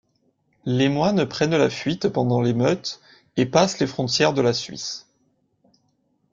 Les moines prennent la fuite pendant l'émeute, et passent les frontières de la Suisse.